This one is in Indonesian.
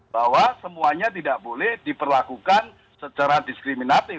bahwa semuanya tidak boleh diperlakukan secara diskriminatif